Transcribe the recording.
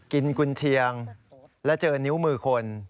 กุญเชียงและเจอนิ้วมือคน